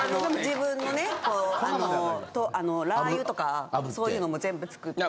自分のねラー油とかそういうのも全部作って。